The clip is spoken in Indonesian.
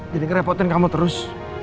jadi ngerepotin kamu terus